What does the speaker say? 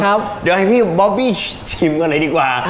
ครับเดี๋ยวให้พี่บอบบี้ชิมกันหน่อยดีกว่า